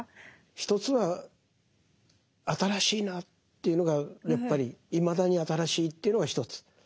一つは新しいなというのがやっぱりいまだに新しいというのが一つ。